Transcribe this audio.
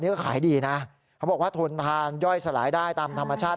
ก็ขายดีนะเขาบอกว่าทนทานย่อยสลายได้ตามธรรมชาติ